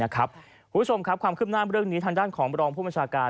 คุณผู้ชมครับความขึ้นหน้าเรื่องนี้ทางด้านของบริธารณ์ผู้มัชกรัฐ